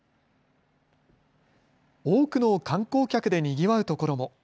多くの観光客でにぎわうところも。